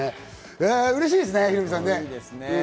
嬉しいですね、ヒロミさん。